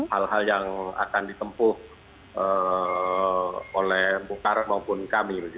hal hal yang akan ditempuh oleh bung karno maupun kami